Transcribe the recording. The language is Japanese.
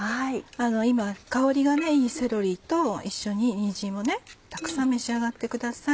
今香りがいいセロリと一緒ににんじんもたくさん召し上がってください。